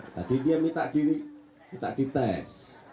tadi dia minta diri minta dites